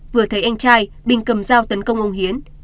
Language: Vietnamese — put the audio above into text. vừa thấy anh trai bình cầm dao tấn công ông hiến